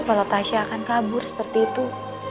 kalau tasha akan kabur seperti itu